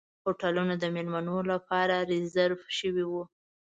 هوټلونه د میلمنو لپاره ریزرف شوي وو.